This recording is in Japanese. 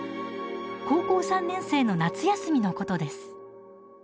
高校３年生の夏休みのことです